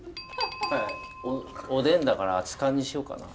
おでんだから熱燗にしようかなと。